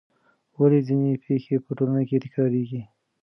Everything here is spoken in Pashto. ولې ځینې پېښې په ټولنه کې تکراریږي؟